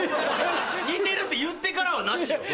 「似てる」って言ってからはなしよ